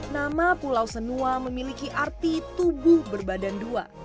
nama pulau senua memiliki arti tubuh berbadan dua